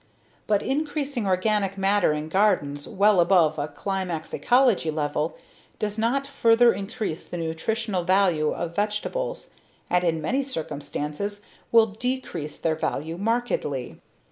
But increasing organic matter in gardens well above a climax ecology level does not further increase the nutritional value of vegetables and in many circumstances will decrease their value markedly.